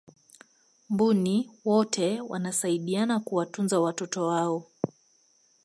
mbuni wote wanasaidiana kuwatunza watoto wao